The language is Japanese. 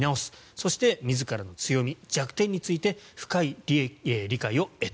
そして自らの強み、弱点について深い理解を得た。